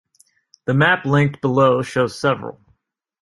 The map linked below shows several.